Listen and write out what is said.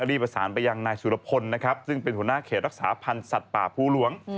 รีบประสานไปยังนายสุรพลนะครับซึ่งเป็นหัวหน้าเขตรักษาพันธ์สัตว์ป่าภูหลวง